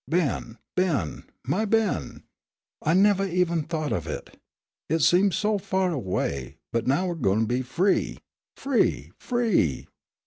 "Ben, Ben! My Ben! I nevah even thought of it. Hit seemed so far away, but now we're goin' to be free free, free!"